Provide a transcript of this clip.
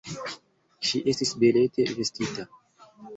Ŝi estis belete vestita.